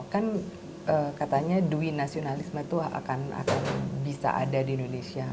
kan katanya dui nasionalisme itu akan bisa ada di indonesia